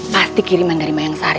pasti kiriman dari mayang sari